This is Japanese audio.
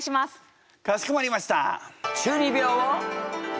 かしこまりました！